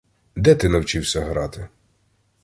Де ти навчився грати?